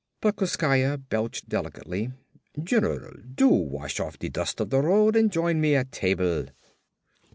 Plekoskaya belched delicately. "General, do wash off the dust of the road and join me at table."